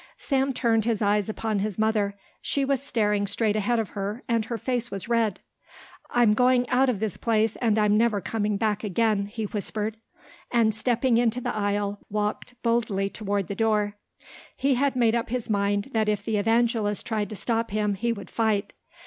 Sam turned his eyes upon his mother. She was staring straight ahead of her, and her face was red. "I'm going out of this place and I'm never coming back again," he whispered, and, stepping into the aisle, walked boldly toward the door. He had made up his mind that if the evangelist tried to stop him he would fight.